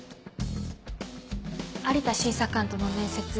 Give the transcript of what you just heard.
有田審査官との面接